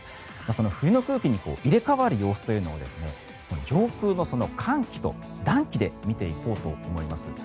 その冬の空気に入れ替わる様子というのを上空の寒気と暖気で見ていこうと思います。